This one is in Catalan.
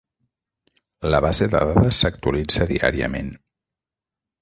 La base de dades s'actualitza diàriament.